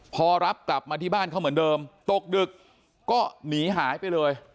พอรับกลับมาที่บ้านเขาเหมือนเดิมตกดึกก็หนีหายไปเลย